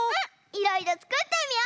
いろいろつくってみよう！